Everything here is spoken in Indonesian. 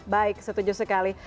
baik setuju sekali